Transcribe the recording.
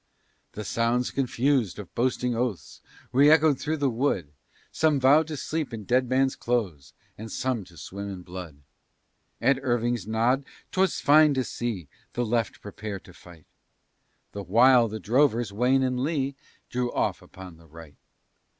The sounds confus'd of boasting oaths, Reëchoed through the wood; Some vow'd to sleep in dead men's clothes, And some to swim in blood. At Irving's nod 'twas fine to see The left prepare to fight; The while, the drovers, Wayne and Lee, Drew off upon the right.